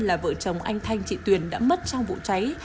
là vợ chồng anh thanh chị tuyền đã mất trong vụ cháy